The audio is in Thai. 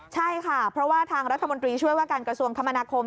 ใช่ค่ะเพราะว่าทางรัฐมนตรีช่วยว่าการกระทรวงคมนาคม